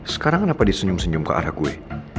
sekarang kenapa dia senyum senyum ke arah gue